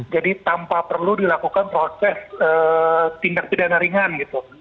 jadi tanpa perlu dilakukan proses tindak pidana ringan gitu